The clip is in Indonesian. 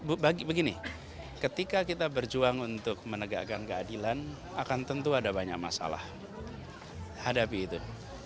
untuk menegakkan keadilan akan tentu ada banyak masalah hadapi itu